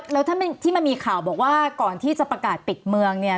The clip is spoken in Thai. แล้วถ้าที่มันมีข่าวบอกว่าก่อนที่จะประกาศปิดเมืองเนี่ย